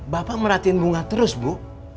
bapak merhatiin bunga terus bu